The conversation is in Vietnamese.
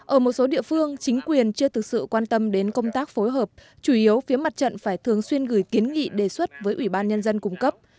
ở một số địa phương chính quyền chưa thực sự quan tâm đến công tác phối hợp chủ yếu phía mặt trận phải thường xuyên gửi kiến nghị đề xuất với ủy ban nhân dân cung cấp